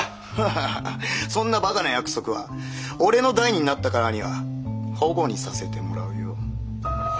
ハハハそんなバカな約束は俺の代になったからには反故にさせてもらうよ。